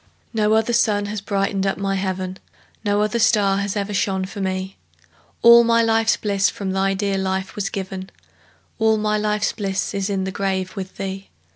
No other sun has brightened up my heaven, No other star has ever shone for me; All my life's bliss from thy dear life was given, All my life's bliss is in the grave with thee.